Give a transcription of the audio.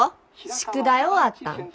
宿題終わったんか？